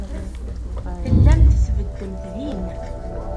Tellamt tbeddemt din.